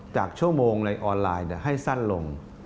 จากชั่วโมงในออนไลน์ให้สั้นลง